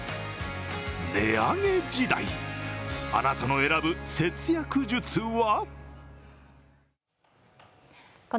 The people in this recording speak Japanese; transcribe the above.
値上げ時代、あなたの選ぶ節約術は？